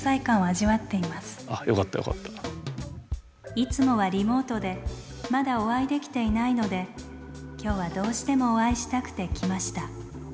いつもはリモートでまだお会いできていないので今日はどうしてもお会いしたくて来ました。